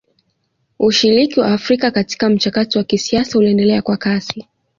Ushiriki wa Afrika katika mchakato wa kisiasa uliendelea kwa kasi